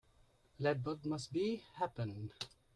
Let what must be, happen.